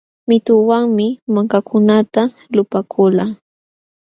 Mituwanmi mankakunata lupaakulqa.